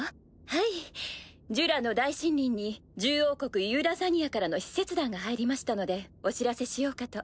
はいジュラの大森林に獣王国ユーラザニアからの使節団が入りましたのでお知らせしようかと。